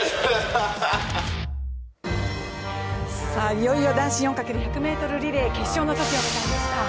いよいよ男子４×１００ｍリレー決勝の時を迎えました。